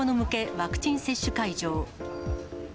ワクチン接種会場。